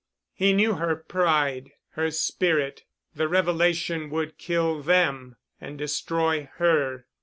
He knew her pride, her spirit. The revelation would kill them—and destroy her.